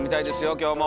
今日も！